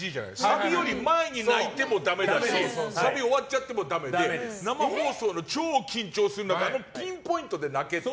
サビより前に泣いてもダメだしサビ終わっちゃってもダメで生放送の超緊張する中でピンポイントで泣けって。